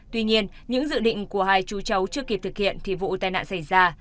tuy nhiên những dự định của hai chú cháu chưa kịp thực hiện thì vụ tai nạn xảy ra